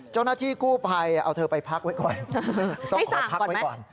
เจ้าหน้าที่กู้ภัยเอาไปพักไว้ก่อนได้สเอาไปก่อน